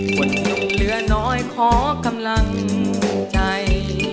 คนลงเรือน้อยขอกำลังใจ